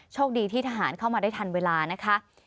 โชคดีที่ทหารเข้ามาได้ทันเวลานะคะ